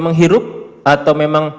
menghirup atau memang